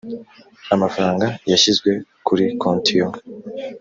amafaranga yashyizwe kuri konti yo